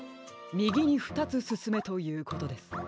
みぎにふたつすすめということです。